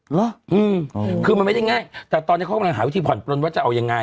เหรออืมคือมันไม่ได้ง่ายแต่ตอนนี้เขากำลังหาวิธีผ่อนปลนว่าจะเอายังไง